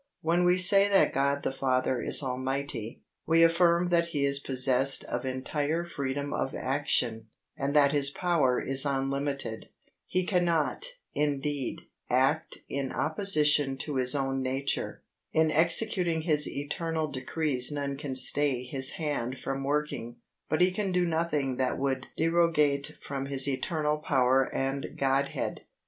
When we say that God the Father is Almighty, we affirm that He is possessed of entire freedom of action, and that His power is unlimited. He cannot, indeed, act in opposition to His own nature. In executing His eternal decrees none can stay His hand from working, but He can do nothing that would derogate from His eternal power and Godhead.